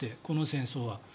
この戦争は。